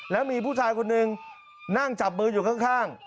แล้วมีผู้ชายคนหนึ่งนั่งจับมืออยู่ข้าง